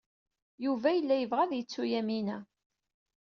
Yuba yella yebɣa ad yettu Yamina.